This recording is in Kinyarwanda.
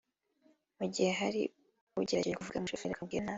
Mu gihe hari ugerageje kuvuga umushoferi akamubwira nabi